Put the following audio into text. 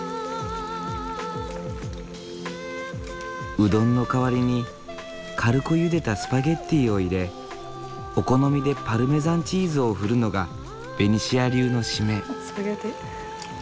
うどんの代わりに軽くゆでたスパゲッティを入れお好みでパルメザンチーズを振るのがベニシア流の締め。